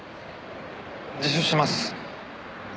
自首します。